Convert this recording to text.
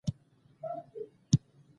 دوی یو بل سره خپلې تجربې او نوښتونه شریکول.